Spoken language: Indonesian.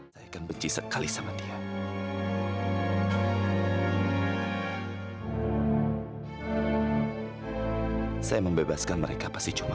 sampai jumpa di video selanjutnya